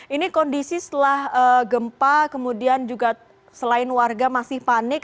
ini kondisi setelah gempa kemudian juga selain warga masih panik